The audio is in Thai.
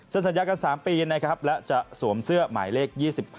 ซึ่งสัญญากัน๓ปีและจะสวมเสื้อหมายเลข๒๕